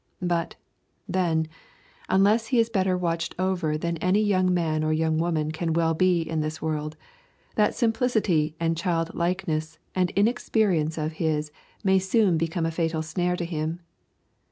But, then, unless he is better watched over than any young man or young woman can well be in this world, that simplicity and child likeness and inexperience of his may soon become a fatal snare to him.